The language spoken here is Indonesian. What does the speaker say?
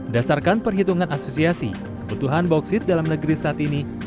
dasarkan perhitungan asosiasi kebutuhan bauksit dalam negeri sati bukit